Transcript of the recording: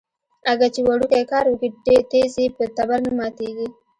اگه چې وړوکی کار وکي ټيز يې په تبر نه ماتېږي.